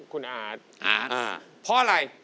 คุณอาร์ตอาร์ตอ่าพออะไร